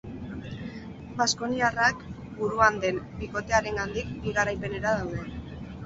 Baskoniarrak buruan den bikotearengandik bi garaipenera daude.